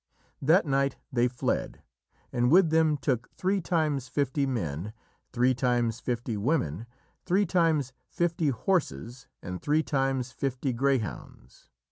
That night they fled, and with them took three times fifty men, three times fifty women, three times fifty horses, and three times fifty greyhounds.